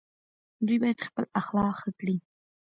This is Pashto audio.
دوی باید خپل اخلاق ښه کړي.